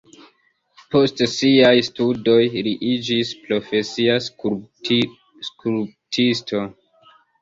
Post siaj studoj li iĝis profesia skulptisto.